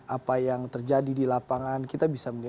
apa yang terjadi di lapangan kita bisa melihat